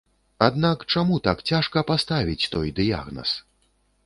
Аднак чаму так цяжка паставіць той дыягназ?